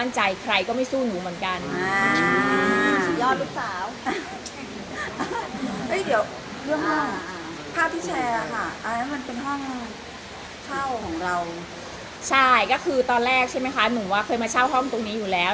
ใช่ก็คือตอนแรกใช่ไหมคะหนูว่าเคยมาเช่าห้องตรงนี้อยู่แล้ว